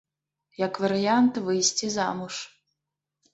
Як варыянт, выйсці замуж.